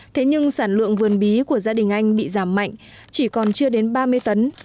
thế nhưng sản lượng vườn bí của gia đình anh bị giảm mạnh chỉ còn chưa đến ba mươi tấn